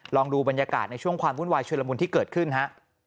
ลองดูบรรยากาศในช่วงความวุ่นวายชุลมุนที่เกิดขึ้นฮะ